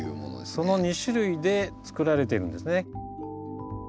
その２種類で作られているんですね。